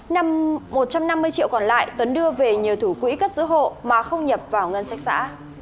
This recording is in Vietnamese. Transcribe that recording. năm một trăm năm mươi triệu còn lại tuấn đưa về nhờ thủ quỹ cất giữ hộ mà không nhập vào ngân sách xã